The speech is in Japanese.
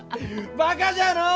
バカじゃのう！